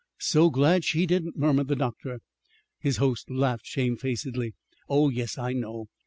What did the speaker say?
"So glad she didn't!" murmured the doctor. His host laughed shamefacedly. "Oh, yes, I know.